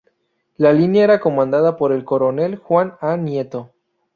La línea era comandada por el Coronel Juan A. Nieto.